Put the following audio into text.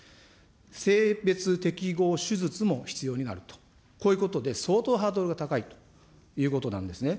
性別適合手術も必要になると、こういうことで相当ハードルが高いということなんですね。